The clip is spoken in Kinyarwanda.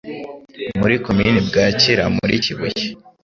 muri Komini Bwakira muri Kibuye